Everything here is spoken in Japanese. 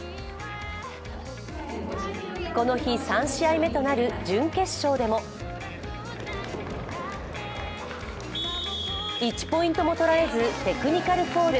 この日、３試合目となる準決勝でも１ポイントも取られずテクニカルフォール。